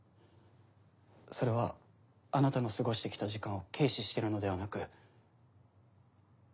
それはあなたの過ごして来た時間を軽視してるのではなく。